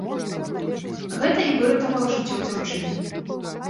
Гэта і выратавала жыццё дзяўчыне.